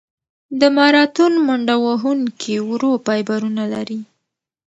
د ماراتون منډهوهونکي ورو فایبرونه لري.